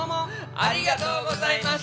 ありがとうございます。